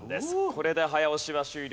これで早押しは終了。